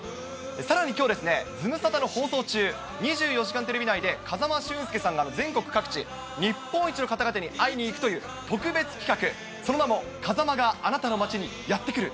さらにきょう、ズムサタの放送中、２４時間テレビ内で風間俊介さんが全国各地、日本一の方々に会いに行くという特別企画、その名も、風間があなたの街にやってくる！